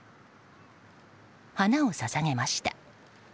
花を捧げました。